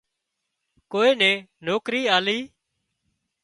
ڪوئي نين نوڪرِي آلي